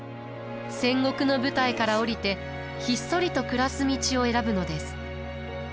戦国の舞台から下りてひっそりと暮らす道を選ぶのです。